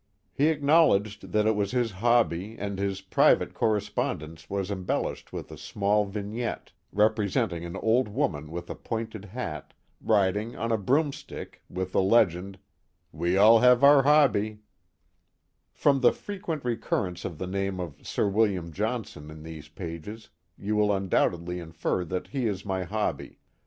He acknowledged that it was his hobby, and his private correspondence was embellished with a small vig nette, representing an old woman with a pointed hat, riding on a broom stick, with the legend, We all have our hobby/' From the frequent recurrence of the name of Sir William Johnson in these pages, you will undoubtedly infer that he is my hobby.